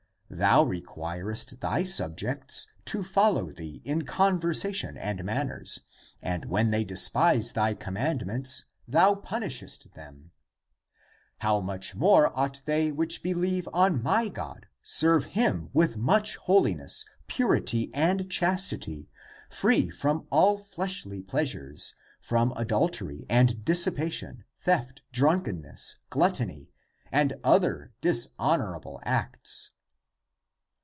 Thou requirest thy subjects to follow thee in conversation and manners, and when they despise thy commandments, thou punishest them; how much more ought they which believe on my God serve him with much holiness, purity, and chastity, free from all fleshly pleasures, from adultery and dissipation, theft, drunkenness, gluttony, and (other) dishonorable acts